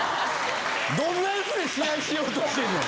どんなヤツで試合しようとしてんねん！